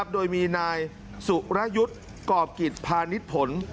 โดยมีนายสุรยุทธ์กรอบกิจพาณิชย์ผล